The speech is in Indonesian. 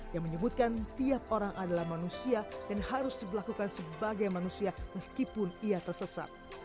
yang menyebutkan tiap orang adalah manusia dan harus diberlakukan sebagai manusia meskipun ia tersesat